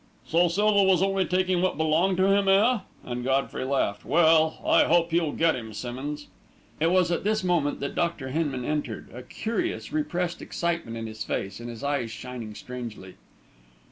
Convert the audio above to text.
"So Silva was only taking what belonged to him, eh?" and Godfrey laughed. "Well, I hope you'll get him, Simmonds." It was at this moment that Dr. Hinman entered, a curious, repressed excitement in his face, and his eyes shining strangely.